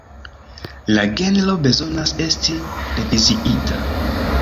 La genro bezonas esti reviziita.